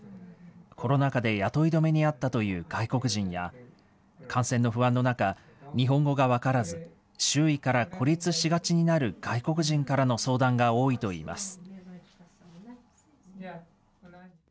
コロナ禍で雇い止めにあったという外国人や、感染の不安の中、日本語が分からず、周囲から孤立しがちになる外国人からの相談が多いといいます。